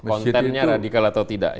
kontennya radikal atau tidak